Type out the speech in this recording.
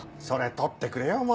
それ撮ってくれよ